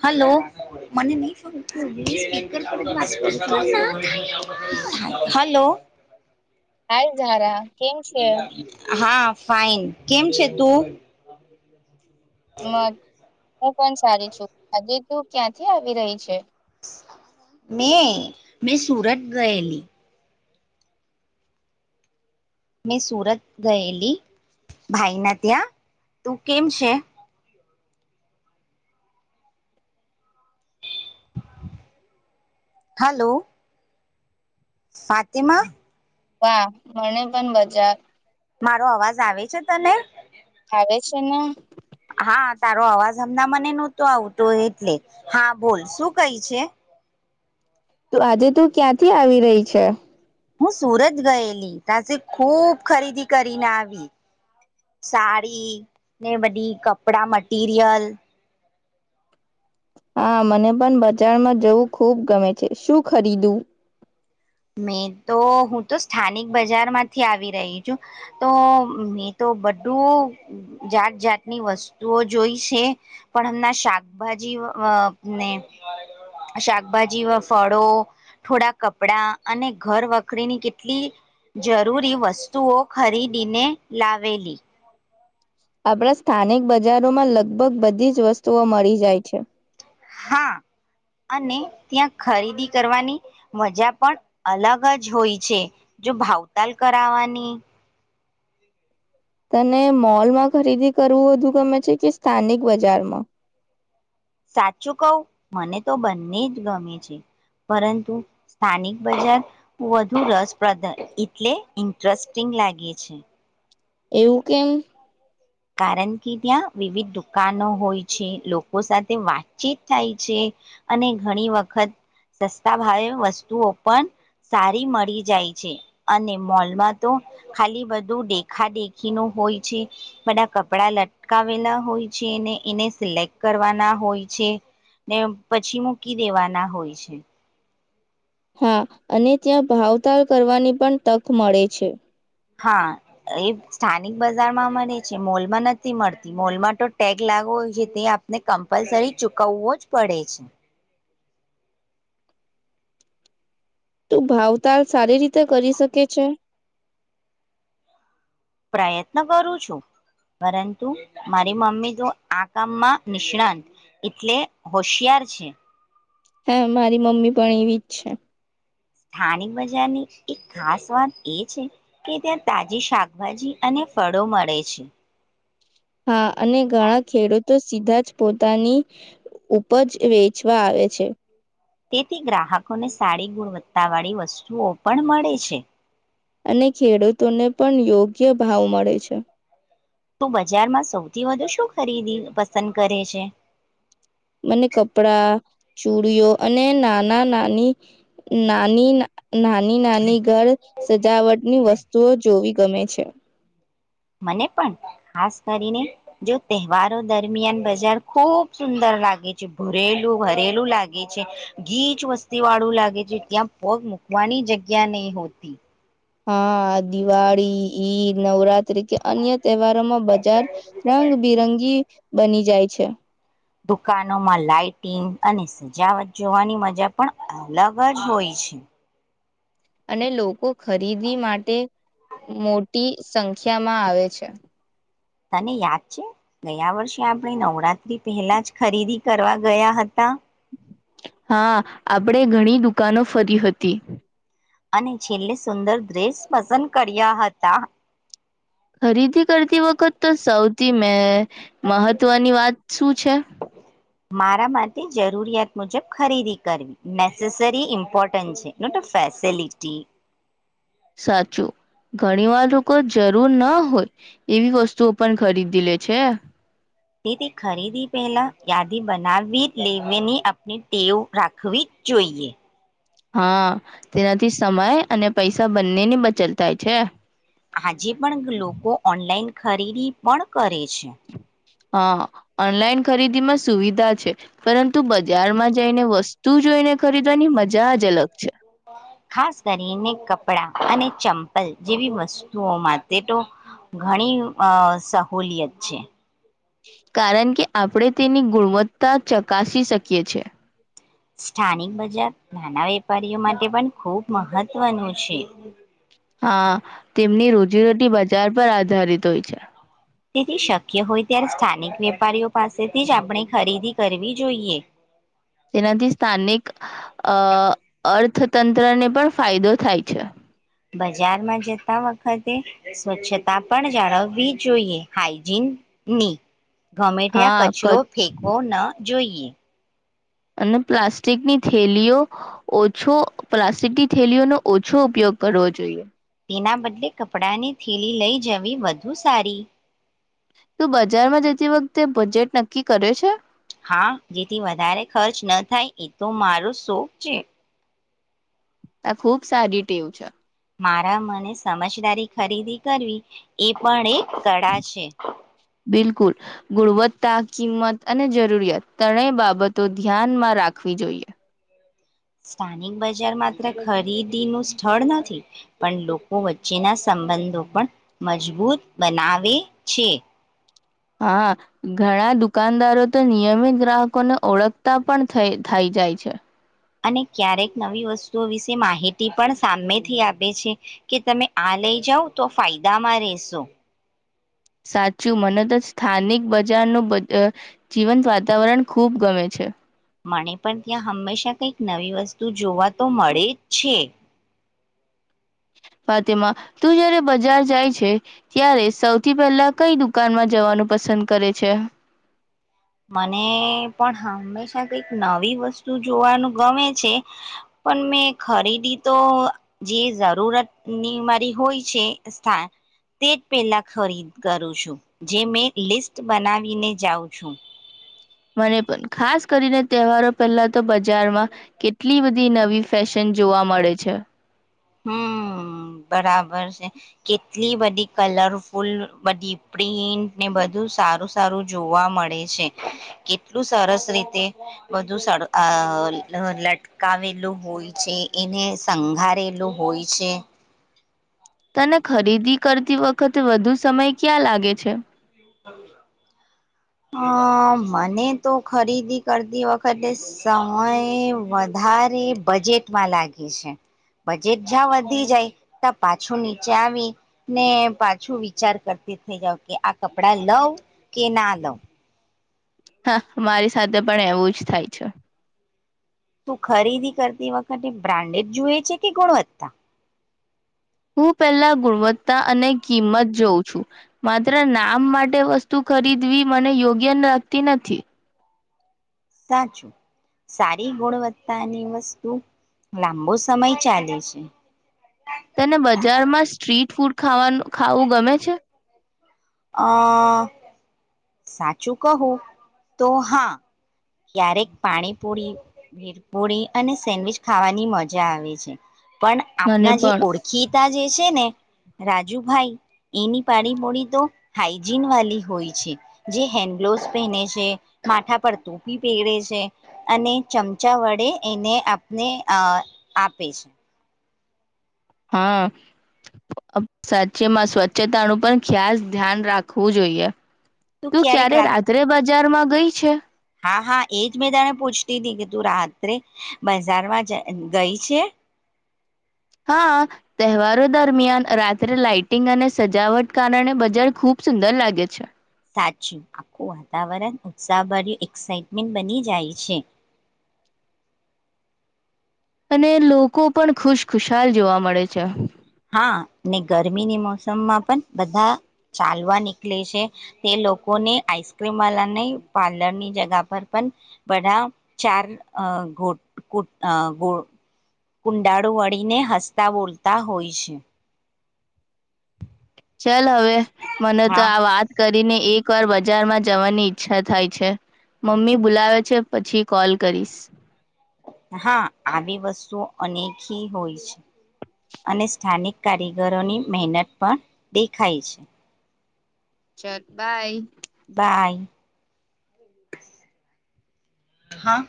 Hello મને નહી hello આ જાાર હા ફાઈન કેમ છે તું હ મ- હું પણ સારી છું આજે તું ક્યાંથી આવી રહી છે મે મેં સુરત ગયેલી મેં સુરત ગયેલી ભાઈના ત્યાં તું કેમ છે હલો ફતિમાં વા મને પણ બજાર મારો અવાજ આવે છે તને થાવે છે ને હા તારો અવાજ હમણાં મને નહતો આવતો એટલે હા બોલ શું કઈ છે તો આજે તું ક્યાંથી આવી રહી છે? હું સુરત ગયેલી તાથી ખૂબ ખરીદી કરીને આવી સાડી ને બધી કપડા મટીરિયલ હા મને પણ બજારમાં જવું ખુબ ગમે છે શું ખરીદું મેં તો હું તો સ્થાનિક બજારમાંથી આવી રહી છું તો મેં તો બધું જાત જાાતની વસ્તુઓ જોઈ છે પણ હમણાં શાકભાજી ને શાકભાજી ફળો થોડા કપડા અને ઘર વખરીની કેટલી જરૂરી વસ્તુઓ ખરીદીને લાવેલી. આપણા સ્થાનિક બજારોમાં લગભગ બધી જ વસ્તુઓ મળી જાય છે. હા અને ત્યાં ખરીદી કરવાની મજા પણ અલગ જ હોય છે જો ભાવતાલ કરાવવાની. તને મોલમાં ખરીદી કરવું બુ ગમે છે કે સ્થાનિક બજારમાં. સાચું કવ મને તો બંને જ ગમે છે પરંતુ સ્થાનિક બજાર વધુ રસપ્રદાન એટલે ઇન્ટરેસ્ટિંગ લાગે છે. એવું કેમ. કારણ કે ત્યાં વિવિધ દુકાનો હોય છે લોકો સાથે વાતચીત થાય છે અને ઘણી વખત સસ્તા ભાવે વસ્તુઓ પણ સારી મળી જાય છે અને મોલમાં તો ખાલી બધું દેખા દેખી ન હોય છે. બધા કપડા લટકાવેલા હોય છે ને એને સિલેક્ટ કરવાના હોય છે ને પછી મૂકી દેવાના હોય છે. હા અને ત્યાં ભાવતાર કરવાની પણ તક મળે છે. હા એ સ્થાનિક બજારમાં મળે છે મોલમાં નથી મળતી મોલમાં તો ટેગ લાગવો હોય છે તે આપને કમ્પલસરી ચુકવવો જ પડે છે. તું ભાવતાલ સારી રીતે કરી શકે છે. પ્રયત્ન કરું છું પરંતુ મારી મમ્મી તો આ કામમાં નિષ્ણાંત એટલે હોશિયાર છે. હા મારી મમ્મી પણ એવી જ છે. સ્થાાનિક બજારની એક ખાસ વાત એ છે કે ત્યાં તાજી શાકભાજી અને ફળો મળે છે. હા અને ઘણા ખેડૂતો સીધા જ પોતાની ઉપજ વેચવા આવે છે. તેથી ગ્રાહકોને સારી ગુણવત્તા વાળી વસ્તુઓ પણ મળે છે. અને ખેડૂતોને પણ યોગ્ય ભાવ મળે છે. તું બજારમાં સૌથી વધુ શું ખરીદી પસંદ કરે છે. મને કપડા ચુડીઓ અને નાના નાની નાની નાની નાની ઘર સજાવટની વસ્તુઓ જોવી ગમે છે. મને પણ ખાસ કરીને જો તહેવારો દરમિયાન બજાર ખુબ સુંદર લાગે છે ભૂરેલું ભરેલું લાગે છે ગીચ વસ્તી વાળું લાગે છે ત્યાં પગ મૂકવાની જગ્યા ત્યાં નહી હોતી. હા દિવાળી નવરાત્ર તરીકે અન્ય તહેવારોમાં બજાર રંગબિરંગી બની જાય છે. દુકાનોમાં લાાઈટિંગ અને સજાવટ જોવાની મજા પણ અલગ જ હોય છે. અને લોકો ખરીદી માટે મો ટી સંખ્યામાં આવે છે. તને યાદ છે ગયા વર્ષે આપણે નવરાત્રી પહેલા જ ખરીદી કરવા ગયા હતા. હા આપણેે ઘણી દુકાનો ફરી હતી. અને છેલ્લે સુંદર દેશ પસંદ કર્યા હતા. ખરીદી કરતી વખત તો સૌથી મે મહત્વની વાત શું છે. મારા માટે જરૂરિયાત મુજબ ખરીદી કરવી નેસેસરી ઇમ્પોર્ટન્ટ છે ફેસિલિટી સાચું ઘણી વાર લોકો જરૂર ના હોય એવી વસ્તુઓ પણ ખરીદી લે છે. તેથી ખરીદી પહેલા યાદી બનાવી લેવીની આપણી ટેવ રાખવી જોઈએ. હા તેનાથી સમય અને પૈસા બંને ની બચત થાય છે. આજે પણ લોકો ઓનલાઈન ખરીદી પણ કરે અચ્છા. હા ઓનલાઈન ખરીદીમાં સુવિધા છે પરંતુ બજારમાં જઈને વસ્તુ જોઈને ખરીદી. ખાસ કરીને કપડા અને ચંપલ જેવી વસ્તુઓમાં તે તો ઘણી અ સહુલિયત છે. કારણ કે આપણે તેની ગુણવત્તા ચકાસી શકીએ છે. સ્થાનિક બજાર નાના વેપારીઓ માટે પણ ખુબ મહત્વનું છે. હા તેમની રોજીરોટી બજાર પર આધારિત હોય છે. તેથી શક્ય હોય ત્યારે સ્થાનિક વેપારીઓ પાસેથી જ આપણે ખરીદી કરવી જોઈએ. તેનાથી સ્થાનિક અ અર્થ તંત્રને પણ ફાયદો થાય છે. બજારમાં જતા વખતે સ્વચ્છતા પણ જાળવવી જોઈએ. હાઈજીનની ગમે ત્યા હા ક કચરો ફેંકવો ન જોઈએ. અને પ્લાસ્ટિકની થેલીઓ ઓછો પ્લાસ્ટિકની થેલીઓની ઓછો ઉપયોગ કરવો જોઈએ. ના બદલે કપડા ની થેલી લઈ જવી વધુ સારી તું બજારમાં જતી વખતે બજેટ નક્કી કરે છે? હા જેથી વધારે ખર્ચ ન થાય એતો મારો શોખ છે. આ ખુબ સારી ટેવ છે. મારા મને સમજદારી ખરીદી કરવી એ પણ એક કળા છે. બિલકુલ. સ્વસ્થ તા કિંમત અને જરૂરિયાત ત્રણેય બાબતો ધ્યાનમાં રાખવી જોઈએ. સ્થાનિક બજાર માત્ર ખરીદીનું સ્થળ નથી પણ લોકો વચ્ચેના સંબંધો પણ મજબૂત બનાવે છે. હા ઘણા દુકાનદારો તો નિયમિત ગ્રાહકોને ઓળખતા પણ થઇ જાય છે. અને ક્યારેક નવી વસ્તુઓ વિશે માહિતી પણ સામેથી આપે છે કે તમે આ લઈ જાવ તો ફાયદામાં રહેશો. સાચું મને તો જ સ્થાનિક બજારનું જીવંત વાતાવરણ ખૂબ ગમે છે. પણ ત્યાં હંમેશા કંઈક નવી વસ્તુ જોવા તો મળે જ છે. વામાં તું જય્યારે બજાર જાય છે ત્યારે સૌથી પહેલા કઈ દુકાનમાં જવાનું પસંદ કરે છે. મને પણ હંમેશા કઈક નવી વસ્તુ જોવાનું ગમે છે પણ મેં ખરીદી તો જે જરૂરતની મારી હોય છે સ્થાન તે જ પેલા ખરીદ કરું છું. જે મેં લિસ્ટ બનાવીને જાઉં છું. મને પણ ખાસ કરીને તહેવારો પહેલા તો બજે બજારમાં કેટલી બધી બધી નવી ફેશન જોવા મળે છે. હમ્મ બરાબર છે. કેટલી બધી કલરફુલ બધી પ્રિન્ટને બધું સારું સારું જોવા મળે છે. કેટલું સરસ રીતે બધું આ લટકાવેલું હોય છે એને સંઘારેલું હોય છે. તને ખરીદી કરતી વખતે વધુ સમય ક્યાં લાગે છે. અ મને તો ખરીદી કરતી વખતે સમય વધારે બજેટમાં લાગે છે. બજેટ જ્યાં વધી જાય ત્યાં પાછું નીચે આવી ને પાછું વિચાર કરતી થઇ જાવ કે કપડા લવ કે ના લવ. હા મારી સાથે પણ એવું જ થાય છે. તું ખરીદી કરતી વખતે બ્રાન્ડેડ જોએ છે. કે ગુણવત્તા હું પહેલા ગુણવત્તા અને કિંમત જોઉં છું માત્ર નામ માટે વસ્તુ ખરીદવી મને યોગ્ય લખતી નથી. સાચું સારી ગુણવત્તાની વસ્તુ લાંબો સમય ચાલે છે. તને બજારમાં સ્ટ્રીટ ફૂડ ખાવાનું ખાવું ગમે છે. અ સાચું કહું તો હા ક્યારેક પાણીપુરી ભીર પૂરી અને સેન્ડવીચ ખાવાની મજા આવે છે. પણ મને આપણા જે પણ ઓળખી ત જે છે ને રાજુભાઈ એની પાડીપોડી તો હાઈજીન વાળલી હોય છે જે હેન્ડ ગ્લોવસ પહેને છે માથા પર ટપી પહેગરેે છે અને ચમચા વડે એને આપને આપે છે. હા સાચ્યમાં સ્વચ્છતાનું પણ ખ્યાાસ ધ્યાન રાખવું જોઈએ. તું ક્યારેક ક્યારે રાત રાત્રે બાજુ બજારમાં ગઈ છે. હા હા એજ મેં તને પૂછતી હતીી કે તું રાત્રે બજારમાં ગઈ છે. હા તહેવારો દરમિયાન રાત્રે લાાઈટિંગ અને સજાવટ કારણે બજાર ખૂબ સુંદર લાગે છે. સાચું આખું વાતાવરણ ઉત્સાહભર્યું એક્સાાઈટમેન્ટ બની જાય છે. અને લોકો પણ ખુશખુશાલ જોવા મળે છે. હા ગરમીની મોસમમાં પણ બધા ચાલવા નીકળે છે તે લોકોને આઈસ્ક્રીમ વાળાને પાર્લરની જગા પર પણ બધા ચારો ગો કુંડાળું વળીને હસતા બોલતા હોય છે. ચાલ હવે. મને તો હા આ વાત કરીને. એક વાર બજારમાં જવાની ઈચ્છા થાય છે મમ્મી બોલાવે છે પછી કોલ કરીશ. હા આવી વસ્તુઓ અનેકી હોય છે અને સ્થાનિક કારીગરોની મહેનત પણ દેખાય છે. ચાલ બાય. બાય હા.